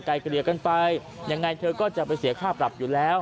เกลี่ยกันไปยังไงเธอก็จะไปเสียค่าปรับอยู่แล้ว